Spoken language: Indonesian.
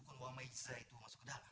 kamu ngomong sendiri memang kamu sudah mulai